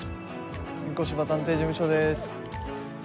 御子柴探偵事務所です。